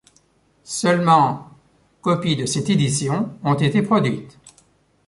Seulement copies de cette édition ont été produites.